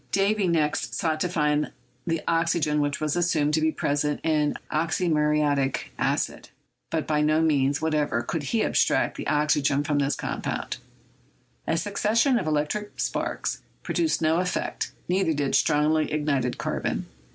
Davy next sought to find the oxygen which was assumed to be present in "oxymuriatic acid," but by no means what ever could he abstract the oxygen from this compound; 2. succession of electric sparks produced no effect, neither did strongly ignited carbon.